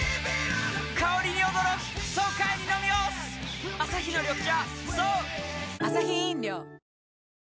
颯アサヒの緑茶